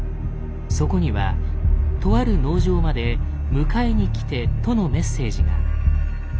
そこにはとある農場まで「迎えにきて」とのメッセージが。